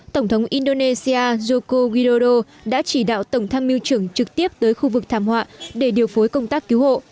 tổng thống indonesia joko widodo đã chỉ đạo tổng tham mưu trưởng trực tiếp tới khu vực thảm họa để điều phối công tác cứu hộ